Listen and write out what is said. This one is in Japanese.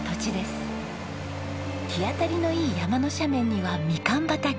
日当たりのいい山の斜面にはみかん畑。